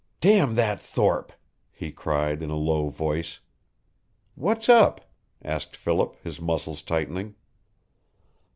"Damn that Thorpe!" he cried, in a low voice. "What's up?" asked Philip, his muscles tightening.